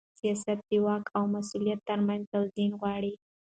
سیاست د واک او مسؤلیت ترمنځ توازن غواړي